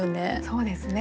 そうですね。